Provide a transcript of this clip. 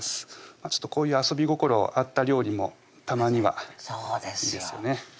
ちょっとこういう遊び心あった料理もたまにはいいですよね